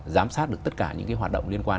giám sát được tất cả những cái hoạt động liên quan